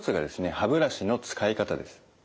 歯ブラシの使い方です。